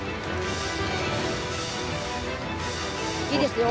いいですよ。